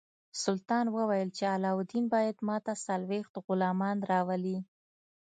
سلطان وویل چې علاوالدین باید ماته څلوېښت غلامان راولي.